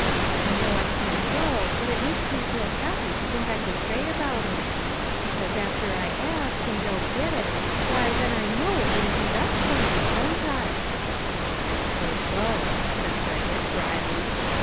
I know I can't go ; but it makes me feel happy to think I can pray about it ; be cause after I ask, and don't get it, why then I know it wouldn't be best for me, don't I ?"" I suppose so," said Frederick, dryly.